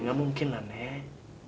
nggak mungkin lah nek